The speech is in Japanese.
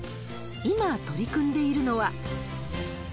今取り組んでいるのは。